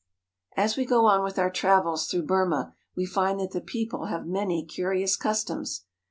'* As we go on with our travels through Burma, we find that the people have many curious customs.